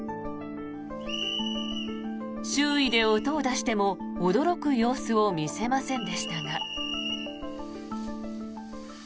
周囲で音を出しても、驚く様子を見せませんでしたが。